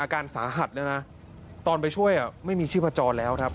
อาการสาหัสเลยนะตอนไปช่วยไม่มีชีพจรแล้วครับ